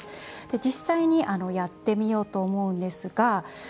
実際にやってみようと思うんですが。